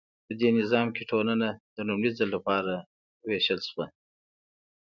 په دې نظام کې ټولنه د لومړي ځل لپاره ویشل شوه.